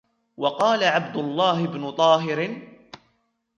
وَقَالَ عَبْدُ اللَّهِ بْنُ طَاهِرٍ